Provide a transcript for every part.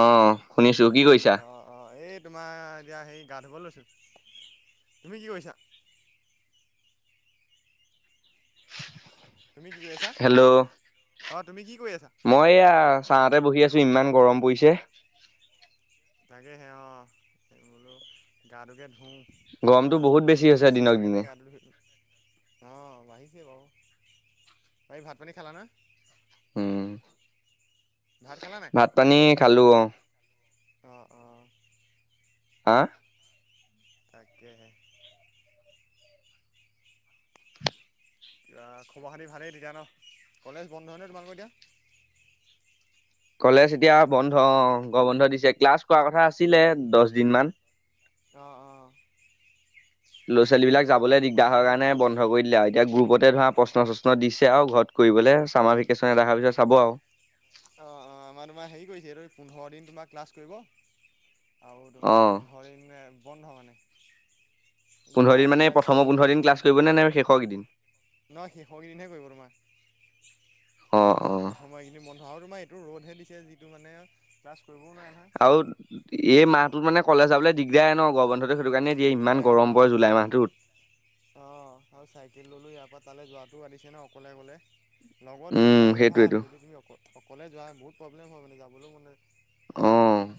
অ শুনিছো কি অ কৰিছা। অ অ এই তোমাৰ এতিয়া হেৰি গা ধুব লৈছোঁ, তুমি কি কৰিছা? তুমি কি কৰি আছা? হেল্ল' অ তুমি কি কৰি আছা? মই এয়া ছাঁতে বহি আছো ইমান গৰম পৰিছে। তাকে হে অ বোলো গাটোকে ধূওঁ। গৰমটো বহুত ৰ'দটো হৈছে বেছি দিনক দিছে কাৰণে দিনে। গা ধোই লৈছো। অ বাঢ়িছে বাৰু, বাকী ভাত পানী খালা নে? উম! ভাত খালা নাই? পানী খালো অ'। অ', অ'। হা? তাকেহে। এয়া খবৰ খাতি ভালেই তেতিয়া ন, কলেজ বন্ধ নে তোমালোকৰ এতিয়া? কলেজ এতিয়া বন্ধ অ' গৰম বন্ধ দিছে ক্লাছ কৰা কথা আছিলে দহ দিন মান। অ', অ'। ল'ৰা এতিয়া ছোৱালীবিলাক আমাৰো যাবলৈ তোমাৰ দিগদাৰ হয় হেৰি কাৰণে কৰিব অ বন্ধ কৰি দিলে আৰু এতিয়া গ্ৰুপতে ধৰা প্ৰশ্ন চশ্ন ত' দিছে আৰু ঘৰত কৰিবলৈ ছামাৰ ভেকেশ্যনত এয়াত আহাৰ পিছত চাব আৰু। অ', অ', আমাৰ তোমাৰ হেৰি কৰিছে এই পোন্ধৰ দিন তোমাৰ ক্লাছ কৰিব। আৰু অ তোমাৰ পোন্ধৰ দিন বন্ধ মানে। কিবা পোন্ধৰ দিন মানে ইণ্টাৰ্ণশ্বিপৰ প্ৰথম প্ৰগ্ৰেম পোন্ধৰ দিন ক্লাছ কৰিব নে নে শেষৰ কেইদিন? নহয় শেষকেইদিনহে কৰিব তোমাৰ। অ অ মই এইখিনি বন্ধ আৰু তোমাৰ এইটো ৰ'দহে দিছে যিটো মানে ক্লছ কৰিবও নোৱাৰে নহয়। আৰু এই মাহটোত মানে কলেজ যাবলৈ দিগদাৰই ন গৰম বন্ধ। সেইটো কাৰণে দিয়ে ইমান গৰম পৰে জুলাই মাহটোত। অ', আৰু চাইকেল লৈ লৈ ইয়াৰ পৰা তালৈ যোৱাটোও আনিছে নহয় অকলে অকলে। লগত দুই উম এটা হ'লে ভাল সেইটোৱেইটো যদি তুমি অ-অকলে যোৱা বহুত প্ৰব্লেম হয় মানে যাবলৈও মান অ'।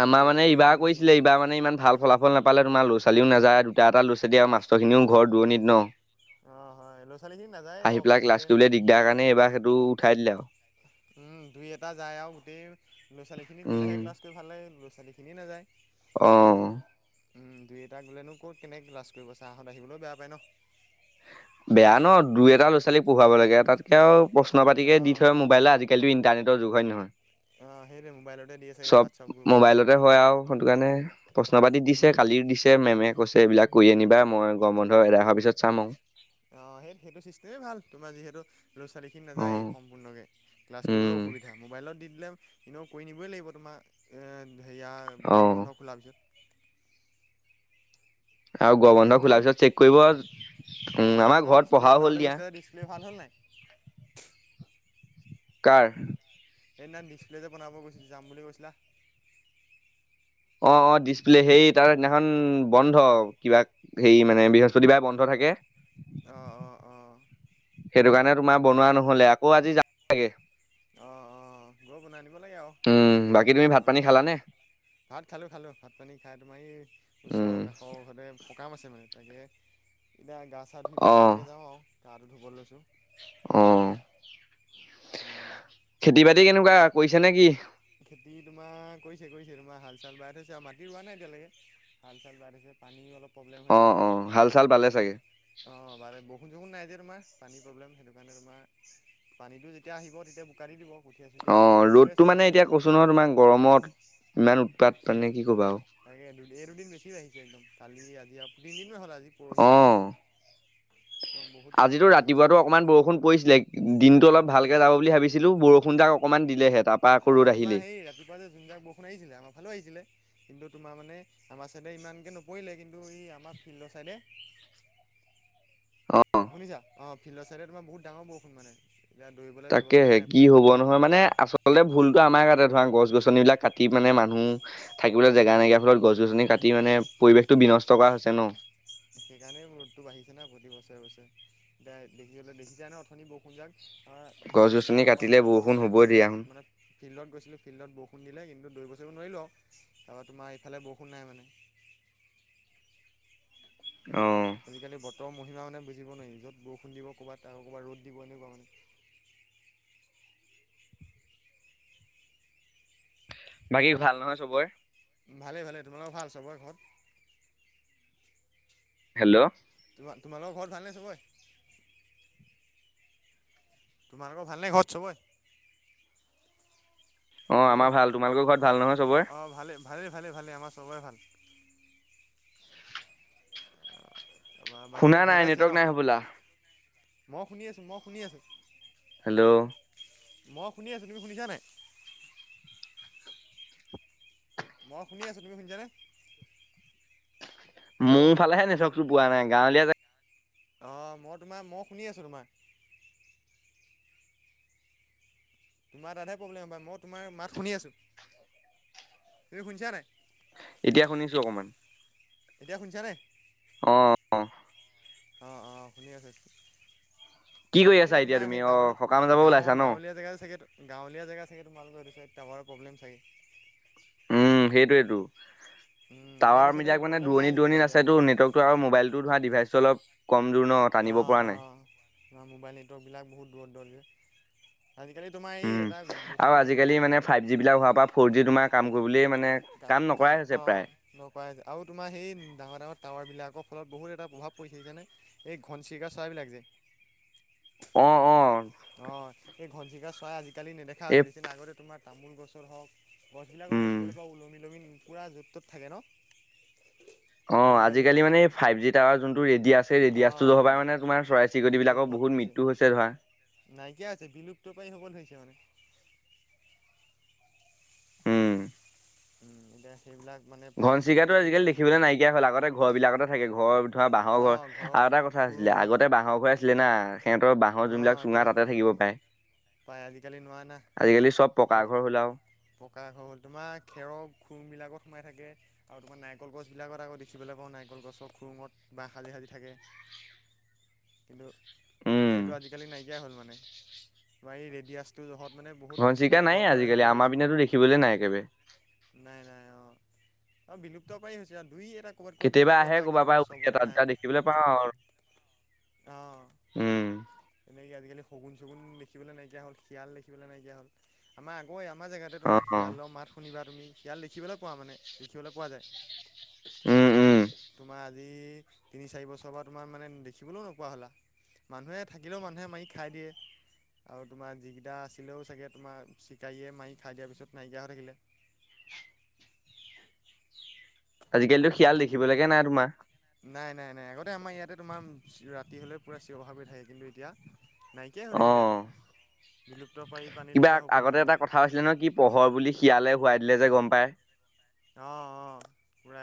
আমাৰ মানে ৰ'দটো এইটো এইবাৰ দিছে কৰিছিলে এইবাৰ মানে ইমান ভাল ফলাফল নাপালে তোমাৰ ল'ৰা ছোৱালীও নাযায় দুটা ল'ৰা ছোৱালী আৰু মষ্টৰখিনিও ঘৰ দুৰণিত ন। অঁ হয় ল'ৰা ছোৱালীখিনি নাযায়েই আহি বাৰু পেলাই ক্লাছ মেইনকে কৰিবলৈ দিগদাৰ কাৰণে এইবাৰ সেইটো উঠাই দিলে আৰু। উম, দুই এটা যায় আৰু গোটেই ল'ৰা ছোৱালীখিনি উম গ'লেহে ক্লাছ কৰি ভাল লাগে ল'ৰা ছোৱালীখিনিয়ে নাযায়। অ'। উম, দুই এটা গ'লেনো ক'ত কেনেকৈ ক্লাছ কৰিব চাৰহঁত আহিবলৈও বেয়া পায় ন। বেয়া ন দুই এটা ল'ৰা ছোৱালী পঢ়োৱাব লাগে তাতকে আৰু প্ৰশ্ন পাতিকে দি অঁ থৈয় মোবাইলত আজিকালি তো ইন্টাৰনেটৰ যুগ হয় নহয়? অ', সেইটোৱে মোবাইলতে দিয়ে চাগে চব হোৱাটছআপ। গ্ৰুপত মোবাইলতে হয় আৰু সেইটো কাৰণে প্ৰশ্ন পাতি দিছে কালি দিছে মেমে কৈছে এইবিলাক কৰি আনিবা মই গম বন্ধ এদাই হোৱাৰ পিছত চাম আৰু। অ', সেই সেইটো চিষ্টেমেই ভাল তোমাৰ যিহেতু ল'ৰা ছোৱালীখিনি অ নাযায় সম্পূৰ্ণকে। ক্লাছ কৰিবলৈ উম অসুবিধা। মোবাইলত দি দিলে এনেও কৰি নিবই লাগিব তোমাৰ এ হেৰিয়া অ গম বন্ধ খোলাৰ পিছত। আৰু গৰম বাকী বন্ধ খোলাৰ সেইদিনাখন পিছত চেক কৰিব উম অঁ আমাৰ সেইদিনাখন ঘৰত ডিছপ্লে পঢ়াও বনাবলৈ হ'ল দিয়া। গৈছিলে ডিছপ্লে ভাল হ'ল নাই? কাৰ? সেইদিনা ডিছপ্লে যে বনাব গৈছিল যাম বুলি কৈছিলা। অ', অ', ডিচপ্লে সেই তাৰ সেইদিনাখন বন্ধ কিবা হেৰি মানে বৃহস্পতিবাৰে বন্ধ থাকে। অ', অ', অ'। সেইটো কাৰণে তোমাৰ বনোৱা নহ'লে আকৌ আজি যাম। অ', অ', গৈ বনাই আনিব লাগে আৰু। উম বাকী তুমি ভাত পানী অঁ খালানে? ভাত খালোঁ খালোঁ ভাত পানী খাই তোমাৰ এই উম ওচৰৰ কাষৰ ঘৰতে সকাম আছে মানে। তাকে এতিয়া গা চা ধুই অ পেলাই তালৈকে যাওঁ আৰু গাটো ধুব লৈছোঁ। অহ উম [inaudible] খেতি বাতি কেনেকুৱা কৰিছে নে কি খেতি তোমাৰ কৰিছে কৰিছে তোমাৰ হাল চাল বাই থৈছে আও মাটি ৰোৱা নাই এতিয়ালৈকে হাল চাল বাই থৈছে পানীও অলপ প্ৰব্লেম হৈ অ আছে অ হাল চাল বালে বহু চাগে অঁ বালে বৰষুণ চষুণ নাই যে তোমাৰ পানী প্ৰব্লেম সেইটো কাৰণে তোমাৰ পানীটো যেতিয়া আহিব তেতিয়া বোকা দি দিব কঠীয়া চুঠীয়া চব ৰেডি হৈ আছে বাৰু কৈচো নহয় তোমাৰ গৰমত ইমান উৎপাত মানে কি ক'বা আও তাকে দুদিন এই দুদিন বেছি আহিছে একদম কালি আজি আৰু তিনি দিনমান হ'ল আজি পৰহি অ পৰা একদম বহুত আজিতো বাঢ়ি গৈছে ৰাতিপুৱাতো অকমান বৰষুণ পৰিছিলে দিনতটো পৰিছিলে অলপ ভালকে পৰিছিলে যাব বুলি ভাবিছিলো বৰষুণ যাক অকণমান দিলেহে তাৰপা আকৌ ৰ'দ আহিলেই া যে [unintelligible] যোন যাক বৰষু আহিছিলে আমাৰালো আহিচিলে কিন্তু তোমাৰ মানে আমাৰ ছাইডে ইমানকে নপৰিলে কিন্তু ই আমাৰ ফিল্ডৰ ছাইডে অ শুনিছা অ ফিল্ডৰ চাইডে তোমাৰ বহুত ডাঙৰ বৰষুণ মানে এতিয়া দৌৰিবলে তাকেহে কি হ'ব নহয় মানে আচল আচলতে ভুলটো আমাৰ গাতে ধৰা গছ গছনিবিলাক কাটি মানে মানুহ থাকিবলৈ জেগা নাইকিয়া উম, ফলত গছনি কাটি ৰা মানে পৰিৱেশটো বিনষ্ট কৰা হৈছে ন সেইকাৰণেই ৰ'দটো বাঢ়িছে না প্ৰতি বছৰে বছৰে এতিয়া দেখিবলৈ দেখিচাই নহয় অথনি বৰষুণ যাক গছ গছনি চেণ্টাৰৰ পৰা কাটিলে অলপ আগত বৰষুণ দিলে হ'বই দিয়া চোন ফিল্ডত মানে ফিল্ডত গৈছিলোঁ ফিল্ডত বৰষুণ দিলে কিন্তু দৌৰিব সৌৰিব নোৱাৰিলোঁ আও তাৰপৰা তোমাৰ এইফালে বৰষুণ নাই মানে অঁ আজি কালি বতৰ মহিমা মানে বুজিব [unintelligible] নোৱাৰি যত বৰষুণ দিব ক'ৰবাত আৰু ক'ৰব ৰ'দ দিব এনেকুৱা মানে। বাকী ভাল নহয় চবৰে ভালেই ভালে তোমালোকৰ ভাল চবৰে ঘৰত হেল্ল' তোমাৰ তোমালোকৰ ঘৰত ভাল নে চবৰে তোমালোকৰ ভালনে ঘৰত চবৰে [unintelligible] অ হেল্ল' আমাৰ ভাল তোমালোকৰ ঘৰত ভাল অঁ নহয় অঁ চবৰে অঁ ভালে ভালেই ভালেই ভালেই আমাৰ চবৰে ভাল তাৰপৰা বাকী শুনা এতিয়া নাই ঘৰতে আছিলে নেটৱৰ্ক ন নাই হ'বলা মই শুনি আছোঁ মই শুনি আছোঁ হেল্ল' মই শুনি আছোঁ তুমি শুনিছা নাই মই শুনি আছোঁ তুমি শুনিছানে হেল্ল' মোৰ ফালেহে নেটৱকতো পোৱা নাই গাঁৱলীয়া জেগা অ মই তোমাৰ মই শুনি আছো তোমাৰ তোমাৰ তাতহে প্ৰব্লেমব মই তোমাৰ মাত শুনি আছোঁ তুমি শুনিছা নাই এতিয়া শুনিছো অকণমান এতিয়া শুনিছা নে অঁ অ অ শুনি আছো কি কৰি এই আছা এতিয়া তোমাৰ তুমি সেই অ টাৱাৰটো সকাম যাব ওলাইছা গাঁৱৰ ন গাঁৱলীয়া জেগা চাগেতো গাঁৱলীয়া জেগা চাগে তোমালোকৰ এইটো চাইদ প্ৰব্লেম চাগে সেইটোৱেটো উম, আমাৰ টাৱাৰ এইটো চাইডে মিলাক মানে প্ৰব্লেম নাই দুৰণি যেনিবা দুৰণিত এতিয়া আছেটো নেটৱৰ্ক আৰু মোবাইলতো ধৰা ডিভাইচ অলপ কম জোৰ ন। অঁ টানিব পৰা নাই অঁ আমাৰ মোবাইল নেটৱৰ্কবিলাক বহুত দূৰত দূৰত যে। আজিকালি তোমাৰ এই উম এটা আৰু বস্তু নাইকিয়া আজিকালি আছে মানে দেখিছা নে। ফাইভ জি বিলাক হোৱাৰ পৰা ফ'ৰ জি তোমাৰ কাম কৰিবলে মানে কাম নকৰাই হৈছে প্ৰায়। ন পাই আৰু তোমাৰ সেই ডাঙৰ ডাঙৰ টাৱাৰবিলাকৰ ফলত বহুত এটা প্ৰভাৱ পৰি দিছেনে। এই ঘনচিৰিকা চৰাইবিলাক যে, অ' অ' অঁ এই ঘনচিঘা চৰাই আজিকালি নেদেখা হৈ এই হৈছেচিনা আগতে তোমাৰ তামোল গছৰ হওক গছবিলাকত উম দেখিবলৈ পাওঁ ওলমি ললমি পুৰা য'ত ত'ত থাকে ন অ আজিকালি মানে এই ফাইভ জি টাৱাৰ যোনটো ৰেডিয়াছে অঁ ৰেডিয়ছটোহৰ মানে তোমাৰ চৰাই চিৰিকতি বিলাকৰ মৃত্যুমুখত বহুত পৰিছে মৃত্যু হৈছে হৈছে। ধৰা [unintelligible] নাইকিয়া আছে বিলুপ্ত পায় সকল হৈছে মানে উম উম' এ সেইবিলাক মানে। ফাইভ জি ঘনচিকাতো প্ৰতিটো আজিকালি দেখিবলৈ মানে নাইকিয়া হ'ল। আগতে ঘৰ বিলাকতে থাকে ঘৰ ধৰা বাঁহৰ ঘৰ। অঁ ঘৰৰ আৰু এটা কথা আছিলে খুৰুঙত আগতে বাঁহৰ ঘৰ। ছিলে না সিহঁতৰ বাহৰ অঁ যোনবিলাক চুঙা এতিয়া তাতে থাকিব পায়। পাই আজিকালি নোৱাৰা না আজিকালি চব পকা ঘৰ হ'ল আৰু। পকা ঘৰ হ'ল তোমাৰ খেৰৰ খংবিলাকত সোমাই থাকে। আৰু তোমাৰ নাৰিকল গছবিলাকত আকৌ' দেখিবলৈ পাওঁ। নাৰিকল গছৰ খুৰুঙত বা সাজি সাজি থাকে। কিন্তু, উম সেইটো আজিকালি নাইকিয়াই হ'ল মানে। আৰু [unintelligible] এই ৰেডিয়াছটো জহত মানে বহুত ঘনচিৰিকা বিলুপ্ত নাই কৰাই হ'ব আজিকালি আমাৰ ধৰিছে পিনেতো দেখিবলৈ নাই একেবাৰে নাই নাই অঁ অ বিলুপ্ত পাৰি হৈছে। আৰু দুই এটা ক'ৰবাত ক'ৰবাত কেতিয়াবা দেখিবলৈ আহে পাবা কিন্তু ক'বাপা উৰি তাত চবতে এটা নাই দুটা দেখিবলৈ পাওঁ। আৰু উম' তেনেকে, আজিকালি শগুন চগুন দেখিবলৈ নাইকিয়া হ'ল শিয়াল দেখিবলে নাইকিয় হ'ল। আমাৰ আগ আমাৰ জেগাতে অ তোমাৰ অ শিয়ালৰ মাত শুনিবা। তুমি শিয়াল দেখিবলৈ পোৱা মানে দেখিবলৈ পোৱা যায়। উম কিন্তু, উম তোমাৰ আজি। আজি তিনি চাৰি বছৰ পৰা তোমাৰ মানে দেখিবলৈও নোপোৱা হ'বলা মানুহে, থাকিলেও মানুহে মাৰি খাই দিয়ে। আৰু তোমাৰ যিকেইটা আছিলেও চাগৈ তোমাৰ চিকাৰীয়ে মাৰি খাই দিয়াৰ পিছত নাইকিয়া হৈ থাকিলে। আজিকালিতো শিয়াল দেখিবলৈকে নাই তোমাৰ। নাই নাই নাই আগতে আমাৰ ইয়াতে তোমাৰ ৰাতি হলেও পুৰা চিঞৰ বাসৰ কৰি থাকে। কিন্তু এতিয়া, নাইকিয়াই হৈ অ থাকিলে। বিলুপ্ত পাৰি পানী লিখীয়া হৈ পৰিলে মানে। [unintelligible] পোহৰ বুলি শিয়ালে হোৱাই দিলে যে গম পায়। অঁ অঁ পুৰা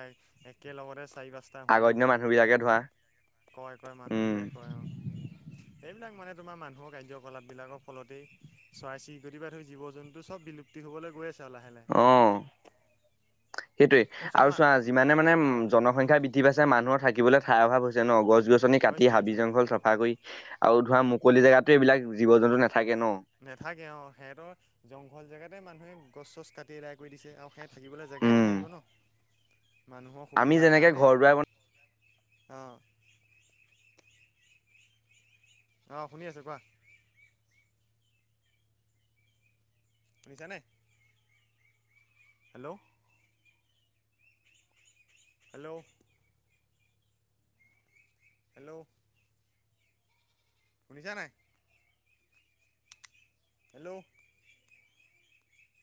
একেলগতে চাৰি পাচ - [unintelligible] হোৱা আগৰ দিব দিনৰ মানুহ বিলাকে ধৰা কয় কয় উম মানুহগিলাই কয় অ সেইবিলাক মানে তোমাৰ মানুহৰ কাৰ্যকলাপ বিলাকৰ ফলতেই। চৰাই চিৰিকটি বা ধৰিকে জীৱ জন্তু চব বিলুপ্তি হ'বলৈ গৈ আছে আৰু লাহে লাহে। অ সেইটোৱে সেইটো চব আৰু মান চোৱা যিমানে মানে উম অ জনসংখ্যা বৃদ্ধি, সি পাছে মানুহৰ থাকিবলৈ ঠাই অভাৱ হৈছে ন। গছ গছনি কাটি হৈছে হাবি হৈছে জংঘল চপ, চাফা কৰি আৰু ধৰা মুকলি জেগাতে এইবিলাক জীৱ জন্তু নাথাকে ন। নাথাকে অ' আৰু সিহঁতৰ জংঘল জেগাতে মানুহে গছ চছ কাটি আদাই কৰি দিছে। আৰু সিহঁত, থাকিবলৈ জেগাই উম নাথাকিব ন, মানুহৰ আমি সুবিধাৰ যেনেকে কাৰণে। ঘৰ দুৱাৰ অ' অঁ শুনি আছো কোৱা, শুনিছা নাই হেল্ল'। Hello ' hello? শুনিছা নাই? হেল্ল'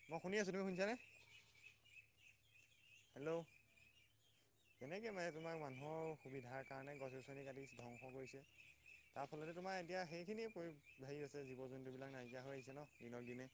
মই শুনি আছোঁ তুমি শুনিছানে? হেল্ল' সেনেকে মানে তোমাক মানুহৰ সুবিধাৰ কাৰণে গছ গছনি কাটি ধ্বংস কৰিছে। তাৰ ফলতে তোমাৰ এতিয়া সেইখিনিয়ে পৰি হেৰি আছে জীৱ জন্তুবিলাক নাইকিয়া হৈ আহিছে ন দিনক দিনে।